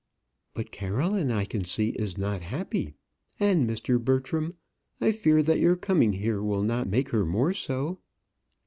"But Caroline I can see is not happy; and, Mr. Bertram, I fear that your coming here will not make her more so."